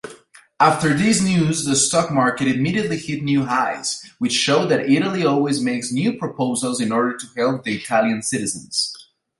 ‘’After this news, the stock market immediately hit new highs, which shows that Italy always makes new proposals in order to helps the Italian citizens.’’